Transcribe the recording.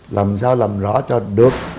làm sao làm rõ cho được